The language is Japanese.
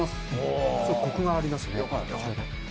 こくがありますね。